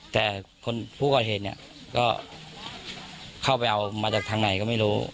แต่คนผู้ก่อเหตุเนี่ยก็เข้าไปเอามาจากทางไหนก็ไม่รู้